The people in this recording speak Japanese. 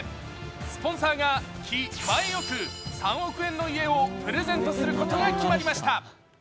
スポンサーが気前よく３億円の家をプレゼントすることが決まりました。